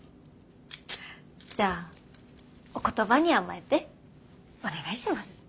じゃあお言葉に甘えてお願いします。